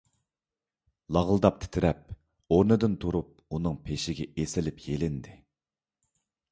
لاغىلداپ تىترەپ، ئورنىدىن تۇرۇپ ئۇنىڭ پېشىگە ئېسىلىپ يېلىندى.